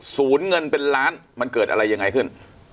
ศูนย์เงินเป็นล้านมันเกิดอะไรยังไงขึ้น